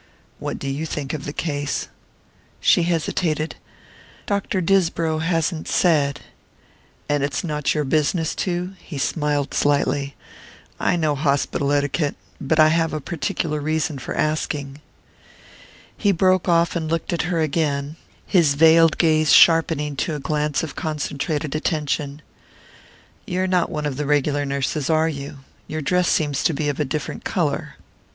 "What do you think of the case?" She hesitated. "Dr. Disbrow hasn't said " "And it's not your business to?" He smiled slightly. "I know hospital etiquette. But I have a particular reason for asking." He broke off and looked at her again, his veiled gaze sharpening to a glance of concentrated attention. "You're not one of the regular nurses, are you? Your dress seems to be of a different colour."